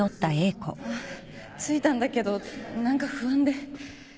着いたんだけど何か不安で。